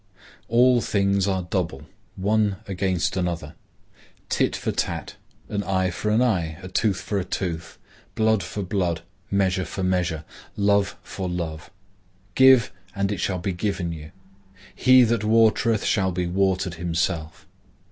All things are double, one against another.—Tit for tat; an eye for an eye; a tooth for a tooth; blood for blood; measure for measure; love for love.—Give and it shall be given you.—He that watereth shall be watered himself.